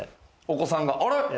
お子さんがあれ？